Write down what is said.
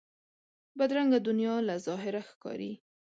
بدرنګه دنیا له ظاهره ښکاري